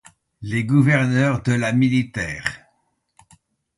Les gouverneurs de la militaire.